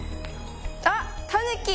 あっタヌキ！